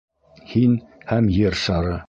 Һин һәм Ер шары.